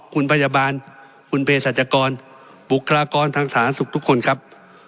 คุณพยาบาลคุณเปรตศัตรยากรบุคลากรทางสถานทะสุขทุกคนครับ